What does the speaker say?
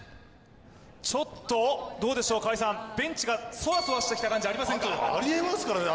ちょっとどうでしょう川合さんベンチがそわそわしてきた感じありえますからね